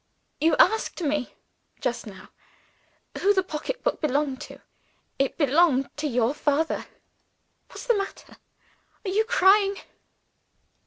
"You asked me, just now, who the pocketbook belonged to. It belonged to your father. What's the matter? Are you crying?"